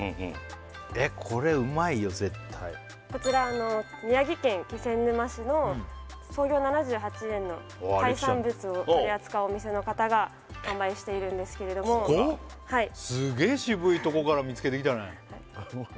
これうまいよ絶対こちら宮城県気仙沼市の創業７８年の海産物を取り扱うお店の方が販売しているんですけれどもすげえ渋いとこから見つけてきたね